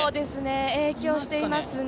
影響していますね。